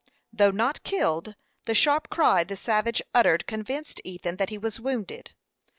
Though not killed, the sharp cry the savage uttered convinced Ethan that he was wounded.